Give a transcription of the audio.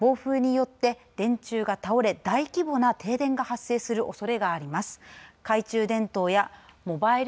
また、暴風によって電柱が倒れ大規模な停電が発生するおそれがあります。